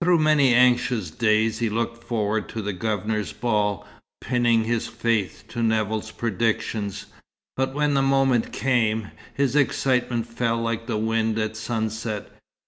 Through many anxious days he looked forward to the Governor's ball, pinning his faith to Nevill's predictions; but when the moment came, his excitement fell like the wind at sunset.